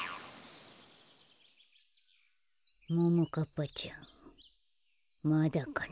ももかっぱちゃんまだかな。